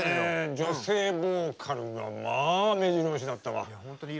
女性ボーカルがめじろ押しだったわ。